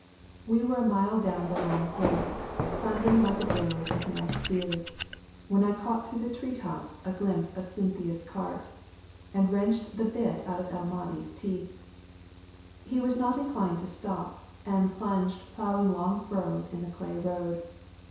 We were a mile down the long hill, thundering like a drove of mad steers, when I caught through the tree tops a glimpse of Cynthia's cart, and wrenched the bit out of El Mahdi's teeth. He was not inclined to stop, and plunged, ploughing long furrows in the clay road.